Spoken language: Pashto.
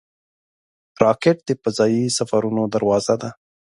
راکټ د فضايي سفرونو دروازه ده